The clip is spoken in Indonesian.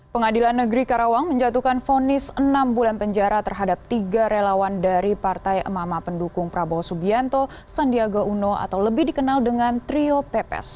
pengadilan negeri karawang menjatuhkan fonis enam bulan penjara terhadap tiga relawan dari partai emak emak pendukung prabowo subianto sandiaga uno atau lebih dikenal dengan trio pepes